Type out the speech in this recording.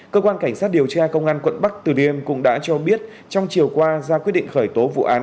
cơ quan cảnh sát điều tra công an quận bắc từ đêm cũng đã cho biết trong chiều qua ra quyết định khởi tố vụ án